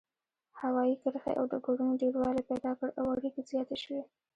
هوايي کرښې او ډګرونو ډیروالی پیدا کړ او اړیکې زیاتې شوې.